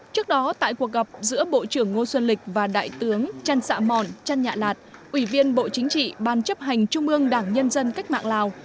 trước đó tại cuộc gặp giữa bộ trưởng ngô xuân lịch và đại tướng chăn xạ mòn trăn nhạ lạt ủy viên bộ chính trị ban chấp hành trung ương đảng nhân dân cách mạng lào